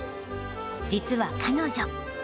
実は彼女。